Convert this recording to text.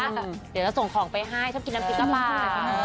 เดี๋ยวจะส่งของไปให้ชอบกินน้ำพริกกะปลา